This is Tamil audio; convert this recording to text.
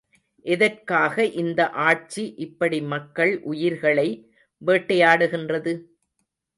எதற்காக இந்த ஆட்சி இப்படி மக்கள் உயிர்களை வேட்டையாடுகின்றது?